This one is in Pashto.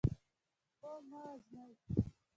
پوه مه وژنئ.